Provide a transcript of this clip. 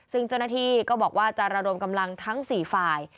ซึ่งเจ้าหน้าที่ก็บอกว่าจะระดมกำลังทั้ง๔ฝ่าย